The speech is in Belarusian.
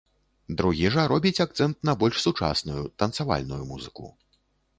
Другі жа робіць акцэнт на больш сучасную, танцавальную музыку.